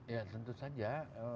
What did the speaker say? ya tentu saja